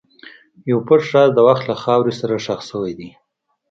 یو پټ راز د وخت له خاورې سره ښخ شوی دی.